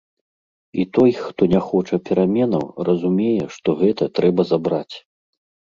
І той, хто не хоча пераменаў, разумее, што гэта трэба забраць.